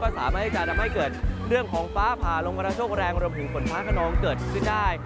สามารถที่จะทำให้เกิดเรื่องของฟ้าผ่าลมกระโชคแรงรวมถึงฝนฟ้าขนองเกิดขึ้นได้